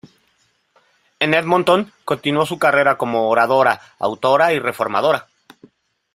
En Edmonton, continuó su carrera como oradora, autora y reformadora.